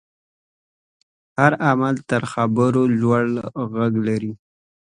هر عمل تر خبرو لوړ غږ لري.